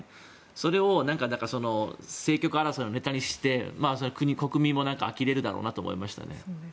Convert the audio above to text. それを政局争いのネタにして国民もあきれるだろうなと思いました。